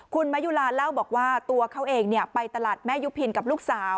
คุณมะยุลาเล่าบอกว่าตัวเขาเองไปตลาดแม่ยุพินกับลูกสาว